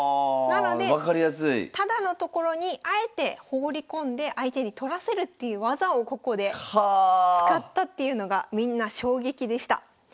なのでタダの所にあえて放り込んで相手に取らせるっていう技をここで使ったっていうのがみんな衝撃でした。